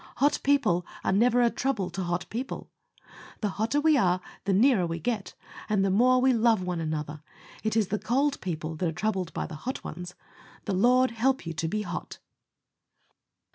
Hot people are never a trouble to hot people. The hotter we are the nearer we get, and the more we love one another. It is the cold people that are troubled by the hot ones. The Lord help you to be HOT.